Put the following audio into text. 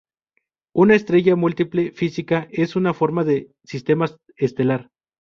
Una estrella múltiple física es una forma de sistema estelar.